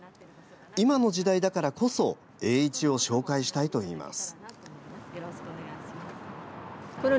今の時代だからこそ栄一を紹介したいといいます。